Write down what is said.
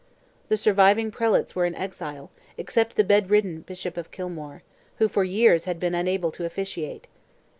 The surviving prelates were in exile, except the bedridden Bishop of Kilmore, who for years had been unable to officiate.